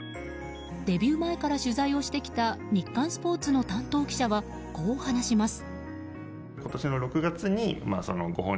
デビュー前から取材をしてきた日刊スポーツの担当記者はこう話します。